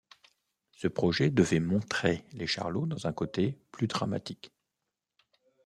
Ce projet devait montrer Les Charlots dans un côté plus dramatique.